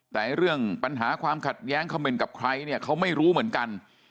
แต่เรื่องปัญหาความขัดแย้งคำเมนต์กับใครเนี่ยเขาไม่รู้เหมือนกัน